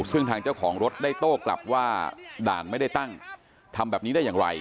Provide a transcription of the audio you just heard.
ซึ่งทางเจ้าของรถได้โต้กลับว่าด่านไม่ได้ตั้งทำแบบนี้ได้อย่างไร